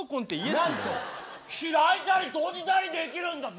なんと開いたり閉じたりできるんだぜ！